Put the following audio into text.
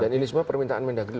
dan ini semua permintaan mendagil